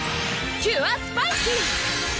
キュアスパイシー！